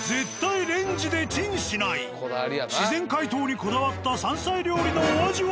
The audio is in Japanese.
自然解凍にこだわった山菜料理のお味は？